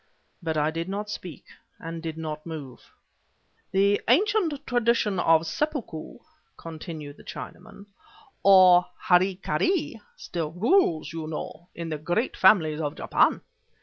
But I did not speak, and did not move. "The ancient tradition of seppuku," continued the Chinaman, "or hara kiri, still rules, as you know, in the great families of Japan.